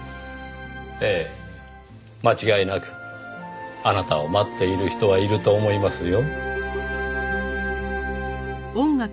ええ間違いなくあなたを待っている人はいると思いますよ。